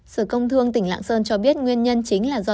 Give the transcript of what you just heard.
sở công thương tỉnh lạng sơn cho biết nguyên nhân chính là do